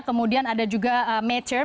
kemudian ada juga mature